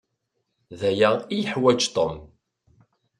D aya i yeḥwaj Tom.